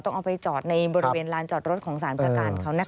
เอาไปจอดในบริเวณลานจอดรถของสารประการเขานะคะ